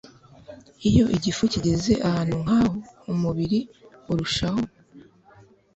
Iyo igifu kigeze ahantu nkaho umubiri urushaho